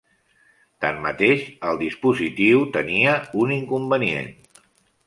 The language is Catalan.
Tanmateix, el dispositiu tenia un inconvenient.